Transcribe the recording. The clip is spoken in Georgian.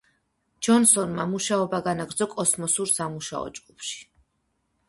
ჯონსონმა მუშაობა განაგრძო კოსმოსურ სამუშაო ჯგუფში.